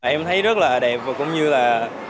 em thấy rất là đẹp và cũng như là